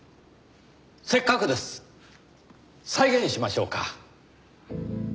せっかくです再現しましょうか。